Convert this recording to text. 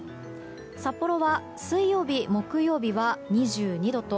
札幌は水曜日、木曜日は２２度と